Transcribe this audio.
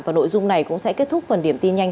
và nội dung này cũng sẽ kết thúc phần điểm tin nhanh